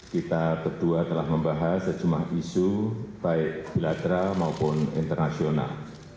kita berdua telah membahas sejumlah isu baik bilateral maupun internasional